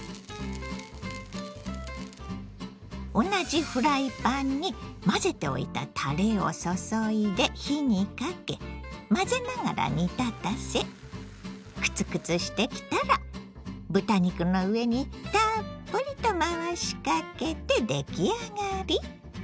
同じフライパンに混ぜておいたたれを注いで火にかけ混ぜながら煮立たせクツクツしてきたら豚肉の上にたっぷりと回しかけて出来上がり。